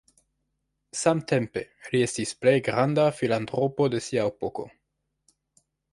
Samtempe, li estis plej granda filantropo de sia epoko.